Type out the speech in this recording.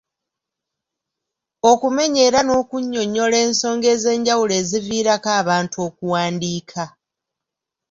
Okumenya era n'onnyonnyola ensonga ez'enjawulo eziviirako abantu okuwandiika.